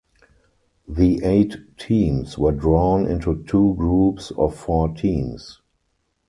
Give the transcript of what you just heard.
The eight teams were drawn into two groups of four teams.